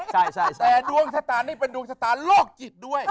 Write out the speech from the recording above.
ใช่แต่ดวงชะตานี่เป็นดวงชะตาโลกจิตด้วย